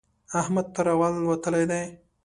احمد تر اول وتلی دی.